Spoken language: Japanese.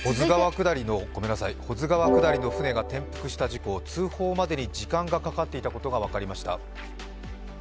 保津川下りの舟が転覆した事故、通報までに時間がかかっていたことが分かりました。